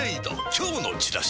今日のチラシで